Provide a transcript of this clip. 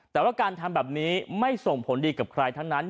แต่ว่าการทำแบบนี้ไม่ส่งผลดีกับใครทั้งนั้น